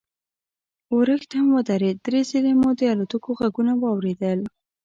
ورښت هم ودرېد، درې ځله مو د الوتکو غږونه واورېدل.